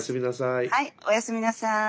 はいおやすみなさい。